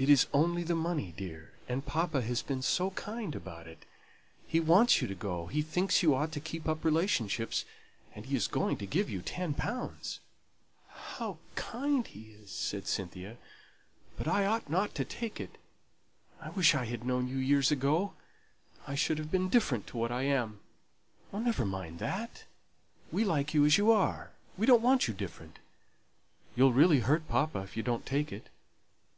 "It is only the money, dear. And papa has been so kind about it. He wants you to go; he thinks you ought to keep up relationships; and he is going to give you ten pounds." "How kind he is!" said Cynthia. "But I ought not to take it. I wish I had known you years ago; I should have been different to what I am." "Never mind that! We like you as you are; we don't want you different. You'll really hurt papa if you don't take it.